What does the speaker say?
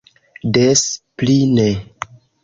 Des pli ne!